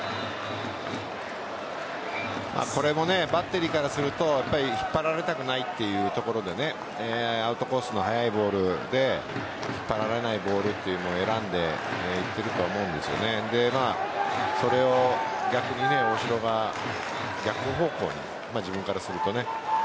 これもバッテリーからすると引っ張られたくないというところでアウトコースの速いボールで引っ張られないボールというものを選んでいっていると思うんですけどそれを大城が逆方向に自分からすると。